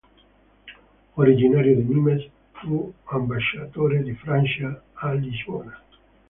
Originario di Nîmes, fu ambasciatore di Francia a Lisbona.